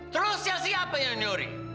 terus siapa yang nyuri